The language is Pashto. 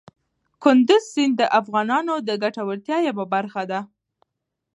کندز سیند د افغانانو د ګټورتیا یوه برخه ده.